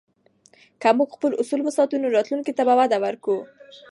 که موږ خپل اصول وساتو، نو راتلونکي ته به وده ورکوو.